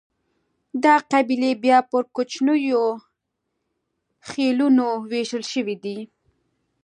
دا قبیلې بیا پر کوچنیو خېلونو وېشل شوې دي.